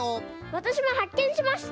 わたしもはっけんしました。